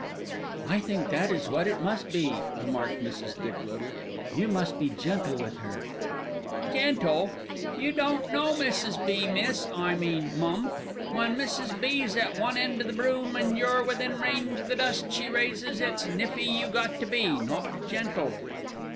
"I think that is what it must be," remarked Mrs. Dick Little. "You must be gentle with her." "Gentle! You don't know Mrs. B., miss, I mean mum. When Mrs. B.'s at one end o' the broom an' you're within range o' the dust she raises, it's nippy you got to be, not gentle."